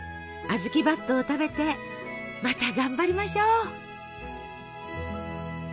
あずきばっとを食べてまたがんばりましょう！